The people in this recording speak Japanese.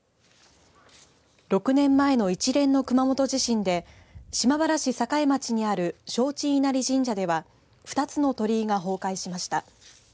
６年前の一連の熊本地震で島原市栄町にある正地稲荷神社では２つの鳥居が崩壊しました。